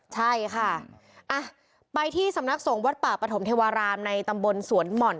ใช่ค่ะไปที่สำนักสงฆ์วัดป่าปฐมเทวารามในตำบลสวนหม่อน